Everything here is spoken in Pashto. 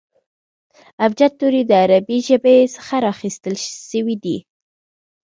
ابجد توري د عربي ژبي څخه را اخستل سوي دي.